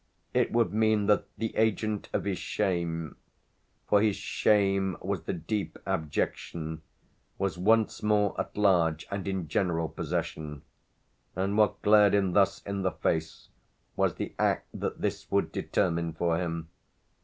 It would mean that the agent of his shame for his shame was the deep abjection was once more at large and in general possession; and what glared him thus in the face was the act that this would determine for him.